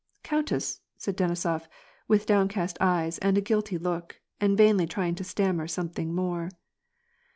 " Countess," said Denisof, with downcast eyes, and a guilty look, and vainly trying to stammer something more.